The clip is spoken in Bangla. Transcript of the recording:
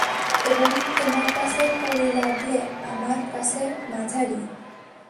এবং তোমার কাছে পরী লাগলে আমার কাছে মাঝারি।